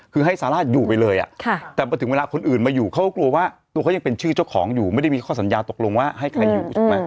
คือให้ซาร่าอยู่ไปเลยแต่พอถึงเวลาคนอื่นมาอยู่เขาก็กลัวว่าตัวเขายังเป็นชื่อเจ้าของอยู่ไม่ได้มีข้อสัญญาตกลงว่าให้ใครอยู่ใช่ไหม